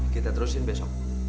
kita terusin besok